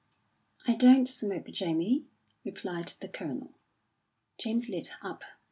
"I don't smoke, Jamie," replied the Colonel. James lit up.